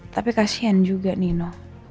tapi kasian juga nino